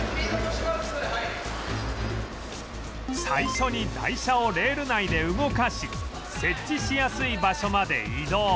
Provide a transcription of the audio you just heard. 最初に台車をレール内で動かし設置しやすい場所まで移動